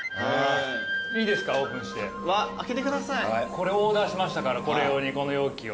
これオーダーしましたからこれ用にこの容器を。